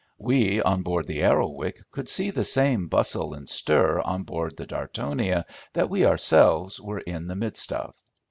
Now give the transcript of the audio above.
We on board the Arrowic could see the same bustle and stir on board the Dartonia that we ourselves were in the midst of.